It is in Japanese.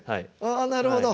あなるほど。